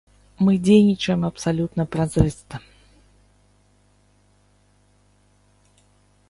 Мы дзейнічаем абсалютна празрыста.